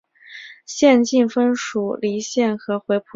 县境分属鄞县和回浦县。